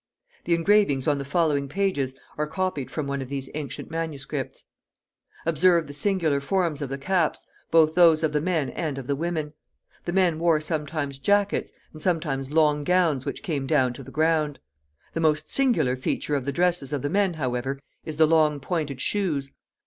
The engravings on the following page are copied from one of these ancient manuscripts. Observe the singular forms of the caps, both those of the men and of the women. The men wore sometimes jackets, and sometimes long gowns which came down to the ground. The most singular feature of the dresses of the men, however, is the long pointed shoes.